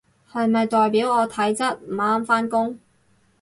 係咪代表我體質唔啱返工？